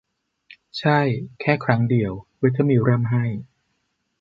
ใช่ แค่ครั้งเดียว เวเธอมิลล์ร่ำไห้